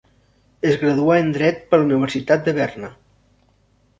Es graduà en dret per la Universitat de Berna.